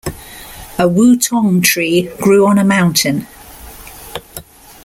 A wutong tree grew on a mountain.